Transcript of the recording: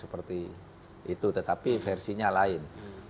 seperti itu tetapi versinya lain